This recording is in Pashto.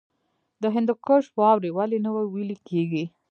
د هندوکش واورې ولې نه ویلی کیږي؟